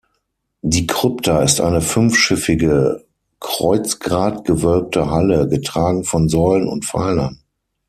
Die Krypta ist eine fünfschiffige, kreuzgratgewölbte Halle, getragen von Säulen und Pfeilern.